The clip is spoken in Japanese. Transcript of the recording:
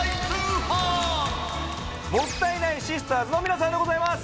もったいないシスターズの皆さんでございます。